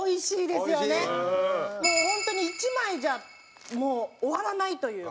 ホントに１枚じゃもう終わらないというか。